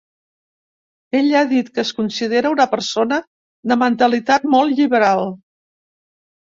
Ella ha dit que es considera una persona "de mentalitat molt lliberal".